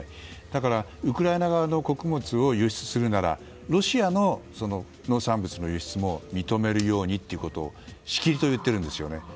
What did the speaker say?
だから、ウクライナ側の穀物を輸出するならロシアの農産物の輸出も認めるようにということをしきりと言っているんですね。